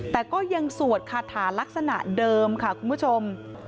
แต่ก็ยังสวดคาถาลักษณะเดิมค่ะคุณผู้ชม